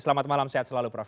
selamat malam sehat selalu prof